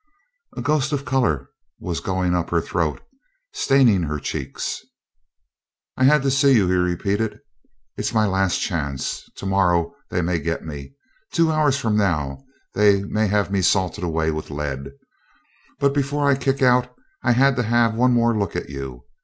A ghost of color was going up her throat, staining her cheeks. "I had to see you," he repeated. "It's my last chance. Tomorrow they may get me. Two hours from now they may have me salted away with lead. But before I kick out I had to have one more look at you.